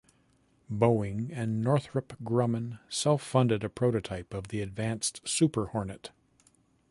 Boeing and Northrop Grumman self-funded a prototype of the Advanced Super Hornet.